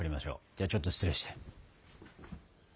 ではちょっと失礼して。